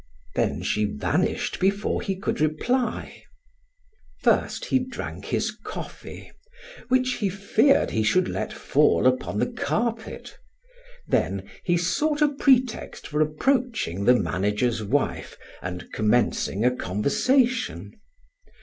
Then she vanished before he could reply. First he drank his coffee, which he feared he should let fall upon the carpet; then he sought a pretext for approaching the manager's wife and commencing a conversation.